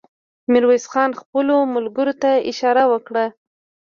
ميرويس خان خپلو ملګرو ته اشاره وکړه.